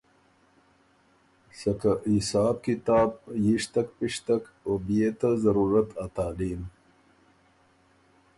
سکه حساب کتاب، یِشتک، پِشتک او بيې ته ضرورت ا تعلیم،